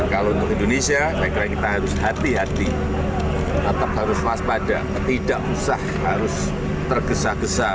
kalau untuk indonesia saya kira kita harus hati hati tetap harus waspada tidak usah harus tergesa gesa